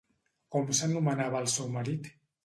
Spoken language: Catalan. Com s'anomenava el seu marit?